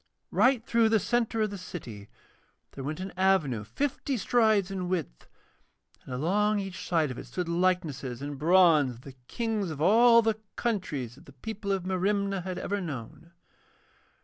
Right through the centre of the city there went an avenue fifty strides in width, and along each side of it stood likenesses in bronze of the Kings of all the countries that the people of Merimna had ever known.